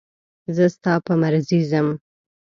زه ستا په مرضي ځم.